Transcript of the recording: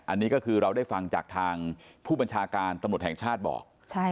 อันนี้ก็คือเราได้ฟังจากทางผู้บัญชาการตำรวจแห่งชาติบอก